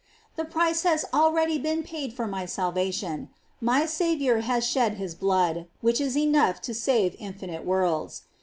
The price has al ready been paid for my salvation; my Saviour has shed his blood, which is enough to save in finite worlds.